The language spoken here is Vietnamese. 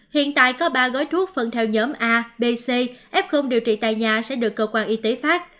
hiện tại có ba gói thuốc phân theo nhóm a b c f điều trị tại nhà sẽ được cơ quan y tế phát